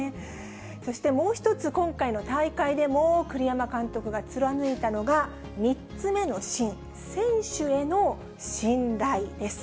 そしてもう一つ、今回の大会でも栗山監督が貫いたのが３つ目の信、選手への信頼です。